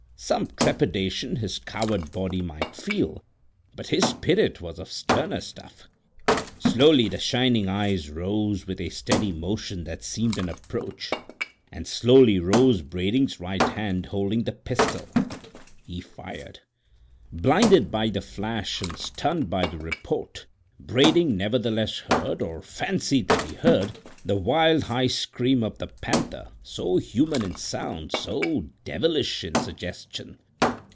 Some trepidation his coward body might feel, but his spirit was of sterner stuff. Slowly the shining eyes rose with a steady motion that seemed an approach, and slowly rose Brading's right hand, holding the pistol. He fired! Blinded by the flash and stunned by the report, Brading nevertheless heard, or fancied that he heard, the wild, high scream of the panther, so human in sound, so devilish in suggestion.